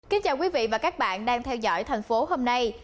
kính chào quý vị và các bạn đang theo dõi thành phố hôm nay